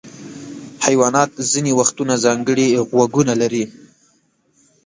حیوانات ځینې وختونه ځانګړي غوږونه لري.